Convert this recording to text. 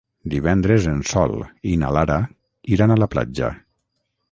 Divendres en Sol i na Lara iran a la platja.